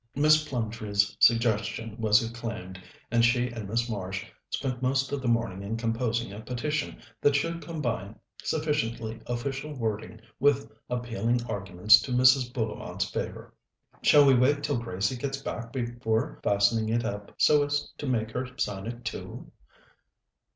Miss Plumtree's suggestion was acclaimed, and she and Miss Marsh spent most of the morning in composing a petition that should combine sufficiently official wording with appealing arguments in Mrs. Bullivant's favour. "Shall we wait till Gracie gets back before fastening it up, so as to make her sign it too?"